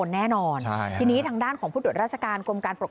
หลบ